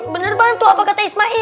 bener banget tuh apa kata ismail